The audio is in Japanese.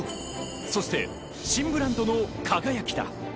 そして新ブランドの輝だ。